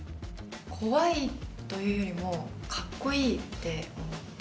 怖いというよりもカッコいいって思って。